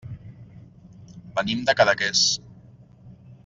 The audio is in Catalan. Venim de Cadaqués.